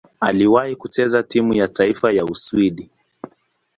Aliwahi kucheza timu ya taifa ya Uswidi.